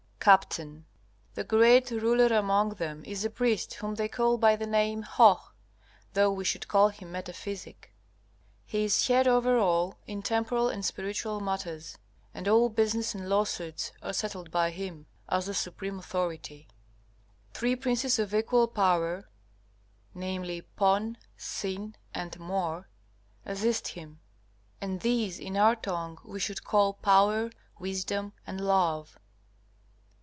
Capt. The great ruler among them is a priest whom they call by the name Hoh, though we should call him Metaphysic. He is head over all, in temporal and spiritual matters, and all business and lawsuits are settled by him, as the supreme authority. Three princes of equal power viz., Pon, Sin, and Mor assist him, and these in our tongue we should call Power, Wisdom, and Love.